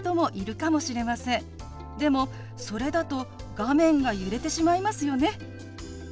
でもそれだと画面が揺れてしまいますよね。